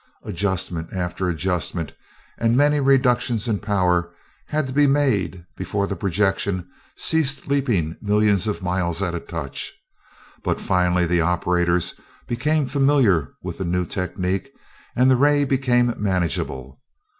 Adjustment after adjustment and many reductions in power had to be made before the projection ceased leaping millions of miles at a touch, but finally the operators became familiar with the new technique and the ray became manageable.